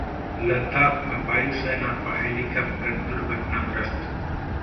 लद्दाख में वायु सेना का हेलीकॉप्टर दुर्घटनाग्रस्त